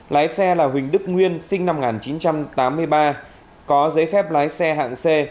lái xe là huỳnh đức nguyên sinh năm một nghìn chín trăm tám mươi ba có giấy phép lái xe hạng c